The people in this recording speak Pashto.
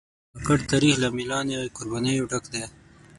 د کاکړ تاریخ له مېړانې او قربانیو ډک دی.